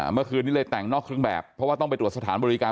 เมื่อคืนนี้เลยแต่งนอกเครื่องแบบเพราะว่าต้องไปตรวจสถานบริการ